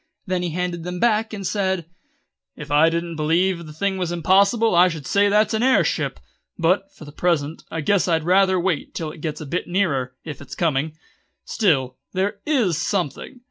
Then he handed them back, and said: "If I didn't believe the thing was impossible I should say that's an air ship; but, for the present, I guess I'd rather wait till it gets a bit nearer, if it's coming. Still, there is something.